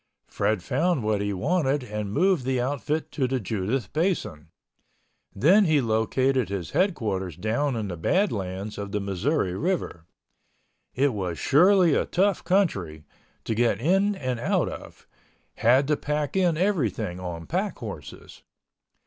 Fred found what he wanted and moved the outfit to the Judith Basin. Then he located his headquarters down in the Badlands of the Missouri River. It was surely a tough country, to get in and out of—had to pack in everything on pack horses.